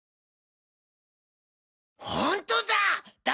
ホントだ！